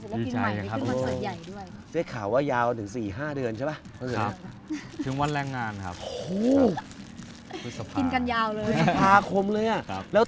พวกเราก็ดีใจผมนะศิลปินใหม่หน่อยก็ขึ้นในศิลป์ใหญ่ด้วย